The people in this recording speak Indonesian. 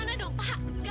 hansip dan pak lura